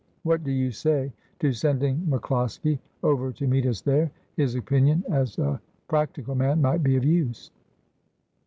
What do you say to sending MacCloskie over to meet us there ? His opinion as a practical man might be of use.'